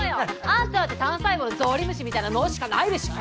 あんただって単細胞のゾウリムシみたいな脳しかないでしょ。